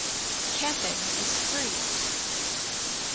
Camping is free.